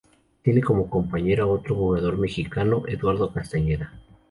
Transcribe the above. Tiene como compañero a otro jugador mexicano, Eduardo Castañeda.